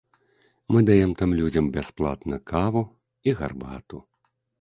Мы даем там людзям бясплатна каву і гарбату.